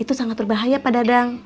itu sangat berbahaya pak dadang